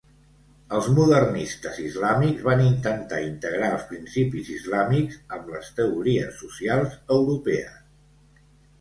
Els modernistes islàmics van intentar integrar els principis islàmics amb les teories socials europees.